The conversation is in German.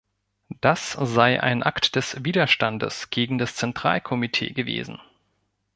Das sei ein Akt des Widerstandes gegen das Zentralkomitee gewesen.